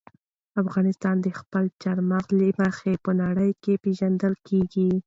افغانستان د خپلو چار مغز له مخې په نړۍ کې پېژندل کېږي.